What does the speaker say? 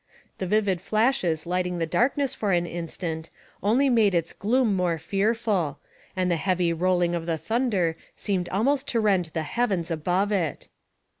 The vivid flashes lighting the darkness for an instant only made its gloom more fearful, and the heavy roll ing of the thunder seemed almost to rend the heav ens above it.